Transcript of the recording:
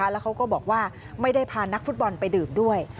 แล้วเขาก็บอกว่าไม่ได้พานักฟุตบอลไปดื่มด้วย